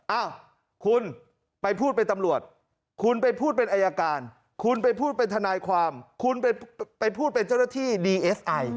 อ้าวคุณไปพูดเป็นตำรวจคุณไปพูดเป็นอายการคุณไปพูดเป็นทนายความคุณไปพูดเป็นเจ้าหน้าที่ดีเอสไอ